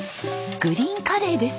グリーンカレーです。